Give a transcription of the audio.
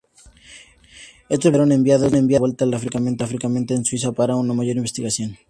Estos blindados fueron enviados de vuelta al fabricante en Suecia para una mayor investigación.